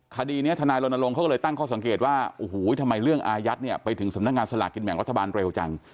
คดีนี้ทนายรณรงค์เขาก็เลยตั้งข้อสังเกตว่าโอ้โหทำไมเรื่องอายัดเนี่ยไปถึงสำนักงานสลากกินแบ่งรัฐบาลเร็วจัง